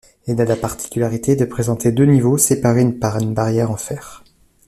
Elle a la particularité de présenter deux niveaux, séparés par une barrière en fer.